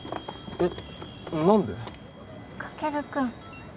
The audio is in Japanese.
えっ？